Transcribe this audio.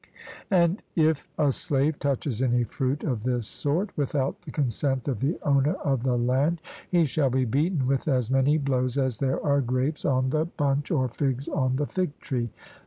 And if a slave touches any fruit of this sort, without the consent of the owner of the land, he shall be beaten with as many blows as there are grapes on the bunch, or figs on the fig tree.